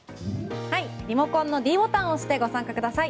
リモコンのｄボタンを押してご参加ください。